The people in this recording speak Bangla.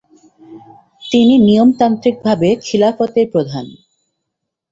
তিনি নিয়মতান্ত্রিকভাবে খিলাফতের প্রধান।